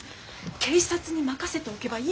警察に任せておけばいいものを。